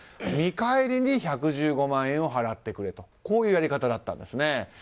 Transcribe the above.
見返りに１１５万円を払ってくれというやり方だったんです。